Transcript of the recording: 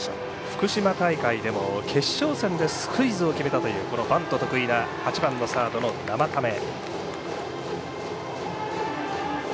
福島大会でも決勝戦でスクイズを決めたというバント得意な８番サードの生田目。